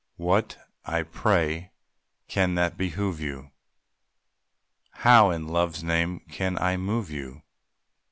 What, I pray, can that behoove you? How in Love's name can I move you?